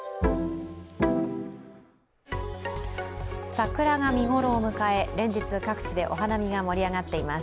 桜が見頃を迎え、連日、各地でお花見が盛り上がっています。